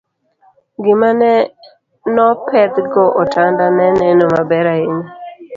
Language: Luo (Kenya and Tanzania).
gima no pedh go otanda ne neno maber ahinya